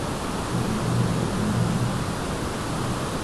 আনন্দময়ী অত্যন্ত স্নেহ করিতেন বলিয়াই গোরাকে মনে মনে একটু ভয় করিতেন।